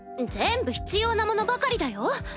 全部必要なものばかりだよ。